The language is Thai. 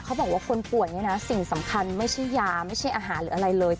เขาบอกว่าคนป่วยเนี่ยนะสิ่งสำคัญไม่ใช่ยาไม่ใช่อาหารหรืออะไรเลย